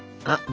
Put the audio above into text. あ。